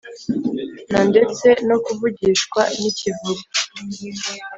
nandetse no kuvugishwa n’ikivuri,